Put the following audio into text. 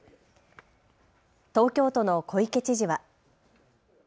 東京都の小池知事は。